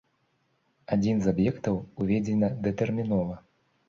Адзін з аб'ектаў уведзены датэрмінова.